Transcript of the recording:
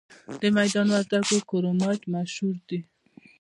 د میدان وردګو کرومایټ مشهور دی؟